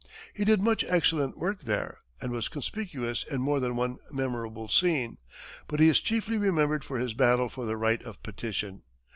He did much excellent work there, and was conspicuous in more than one memorable scene, but he is chiefly remembered for his battle for the right of petition.